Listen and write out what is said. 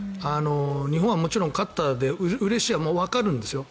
日本はもちろん勝ってうれしいのはわかるんですよ。